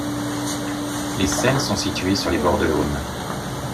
Les scènes sont situées sur les bords de l'Aulne.